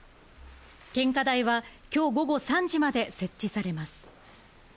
献花台は今日午後３時まで設置されます。